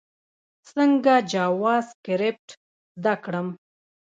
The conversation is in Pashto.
څنګه جاواسکريپټ زده کړم؟